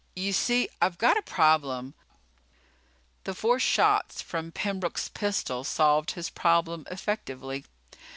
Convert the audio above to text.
"You see, I've got a problem " The four shots from Pembroke's pistol solved his problem effectively.